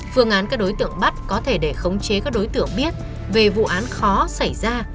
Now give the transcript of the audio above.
phương án các đối tượng bắt có thể để khống chế các đối tượng biết về vụ án khó xảy ra